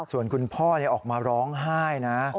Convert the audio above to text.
ส่วนคุณพ่อออกมาร้องไห้นะ